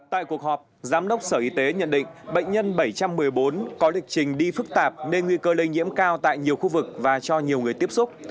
tại cuộc họp giám đốc sở y tế nhận định bệnh nhân bảy trăm một mươi bốn có lịch trình đi phức tạp nên nguy cơ lây nhiễm cao tại nhiều khu vực và cho nhiều người tiếp xúc